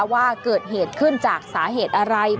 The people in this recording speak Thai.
ว่าเกิดเหตุขึ้นจากสาเหตุอะไร